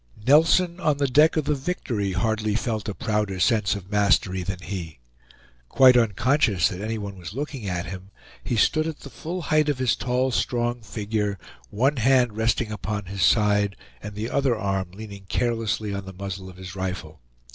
Nelson, on the deck of the Victory, hardly felt a prouder sense of mastery than he. Quite unconscious that any one was looking at him, he stood at the full height of his tall, strong figure, one hand resting upon his side, and the other arm leaning carelessly on the muzzle of his rifle.